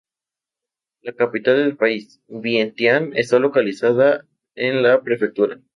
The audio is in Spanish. La capital del país, Vientián, está localizada en la prefectura.